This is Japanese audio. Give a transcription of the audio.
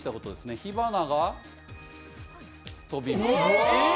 火花が飛びます。